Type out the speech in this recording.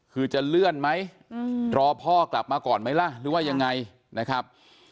คือจะเลื่อนไหมรอพ่อกลับมาก่อนไหมล่ะหรือว่ายังไงนะครับ